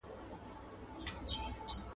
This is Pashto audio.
موږ غواړو ټولنیز اصلاحات راوړو.